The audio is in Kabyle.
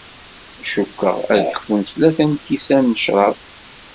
Cukkeɣ ad d-kfun tlata n lkisan n ccrab.